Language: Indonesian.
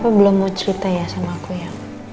aku belum mau cerita ya sama aku ya